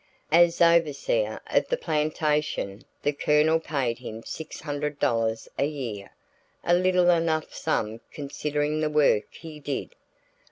As overseer of the plantation, the Colonel paid him six hundred dollars a year, a little enough sum considering the work he did.